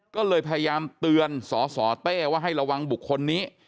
ก็เลยพยายามเตือนสสเต้ว่าให้ระวังบุคคลนี้